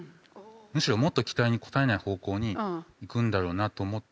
むしろもっと期待に応えない方向に行くんだろうなと思って。